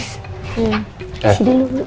kasih dulu dulu